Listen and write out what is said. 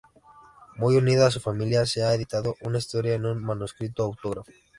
Muy unida a su familia, se ha editado una historia en un manuscrito autógrafo.